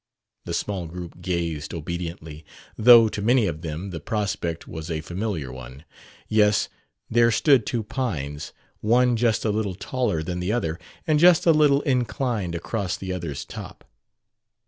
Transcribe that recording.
The small group gazed obediently though to many of them the prospect was a familiar one. Yes, there stood two pines, one just a little taller than the other, and just a little inclined across the other's top.